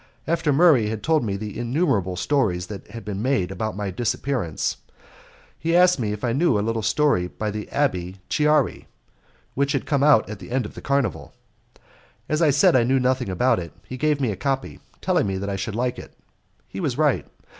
After Murray had told me the innumerable stories which had been made about my disappearance, he asked me if I knew a little story by the Abbé Chiari, which had come out at the end of the carnival. As I said that I knew nothing about it, he gave me a copy, telling me that I should like it. He was right.